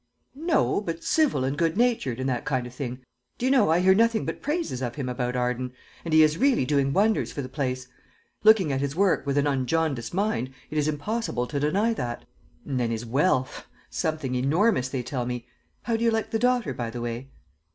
"No, but civil and good natured, and that kind of thing. Do you know, I hear nothing but praises of him about Arden; and he is really doing wonders for the place. Looking at his work with an unjaundiced mind, it is impossible to deny that. And then his wealth! something enormous, they tell me. How do you like the daughter, by the way?"